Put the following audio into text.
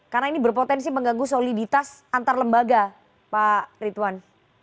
karena ini berpotensi mengganggu soliditas antar lembaga pak rituan